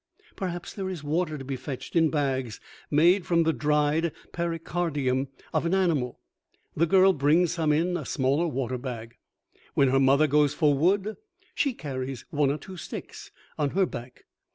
Perhaps there is water to be fetched in bags made from the dried pericardium of an animal; the girl brings some in a smaller water bag. When her mother goes for wood she carries one or two sticks on her back.